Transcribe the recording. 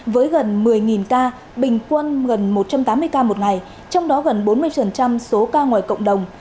với gần một mươi ca bình quân gần một trăm tám mươi ca một ngày trong đó gần bốn mươi số ca ngoài cộng đồng